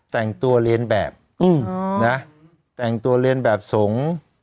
แต่งตัวเรียนแบบนะแต่งตัวเรียนแบบสงฆ์